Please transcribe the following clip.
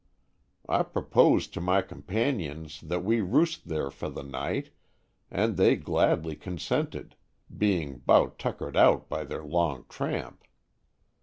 I proposed to my companions thet we roost there for the night, and they gladly consented, being 'bout tuck ered out by their long tramp.